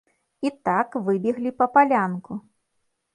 І так выбеглі па палянку.